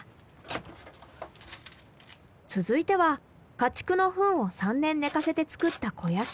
続いては家畜のふんを３年寝かせて作った肥やし。